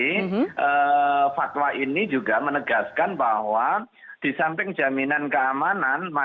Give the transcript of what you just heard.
jadi fatwa ini juga menegaskan bahwa di samping jaminan keamanan